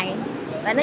vậy nó vừa tốt hơn